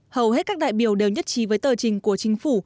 hầu hết các đại biểu đều nhất trí với tờ trình của chính phủ